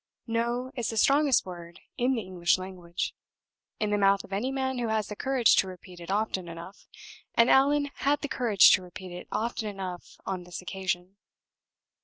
"No" is the strongest word in the English language, in the mouth of any man who has the courage to repeat it often enough, and Allan had the courage to repeat it often enough on this occasion.